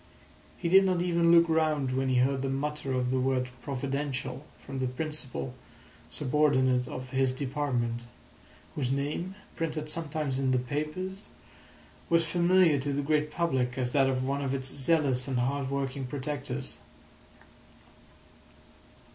He did not even look round when he heard the mutter of the word "Providential" from the principal subordinate of his department, whose name, printed sometimes in the papers, was familiar to the great public as that of one of its zealous and hard working protectors.